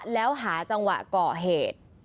แล้วหาจังหวะก่อเหตุ